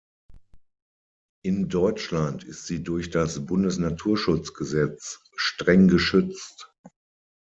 In Deutschland ist sie durch das Bundesnaturschutzgesetz streng geschützt.